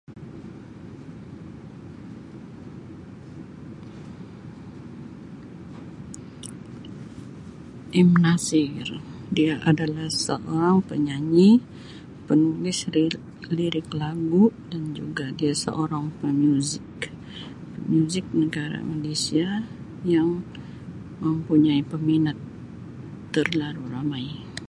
M Nasir dia adalah seorang penyanyi, penulis lir-lirik lagu dan juga dia seorang pemuzik pemuzik negara Malaysia yang mempunyai peminat terlalu ramai.